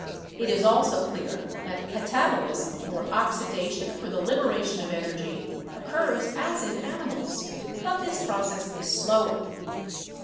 It is also clear that katabolism or oxidation for the liberation of energy occurs as in animals, but this process is slower.